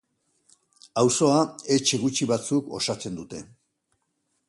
Auzoa etxe gutxi batzuk osatzen dute.